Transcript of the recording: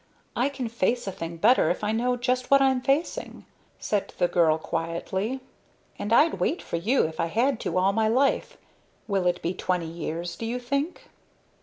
"I can face a thing better if I know just what I'm facing," said the girl, quietly, "and I'd wait for you, if I had to, all my life. Will it be twenty years, do you think?"